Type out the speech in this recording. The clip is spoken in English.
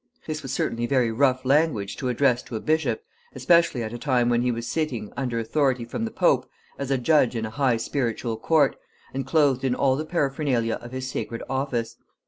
This was certainly very rough language to address to a bishop, especially at a time when he was sitting, under authority from the Pope, as a judge in a high spiritual court, and clothed in all the paraphernalia of his sacred office.